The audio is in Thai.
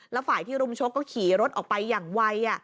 แล้วฝ่ายที่รุมชกก็ขี่รถออกไปอย่างไว